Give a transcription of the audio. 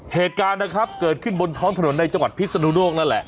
เหตุการณ์นะครับเกิดขึ้นบนท้องถนนในจังหวัดพิศนุโลกนั่นแหละ